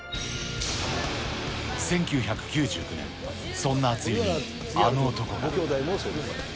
１９９９年、そんな熱湯に、あの男が。